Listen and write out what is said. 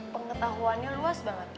pengetahuannya luas banget